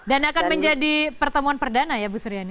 dan akan menjadi pertemuan perdana ya bu suryani